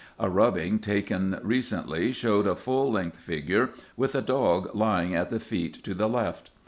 A rubbing taken recently showed a full length figure, with a dog lying at the feet to the left.